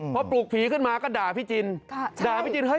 พอปลูกผีขึ้นมาก็ด่าพี่จิน